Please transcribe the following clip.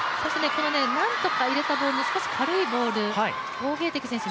なんとか入れたボール、少し軽いボール、王ゲイ迪選手